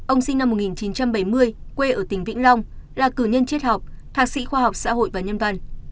ông sinh năm một nghìn chín trăm bảy mươi quê ở tỉnh vĩnh long là cử nhân triết học thạc sĩ khoa học xã hội và nhân văn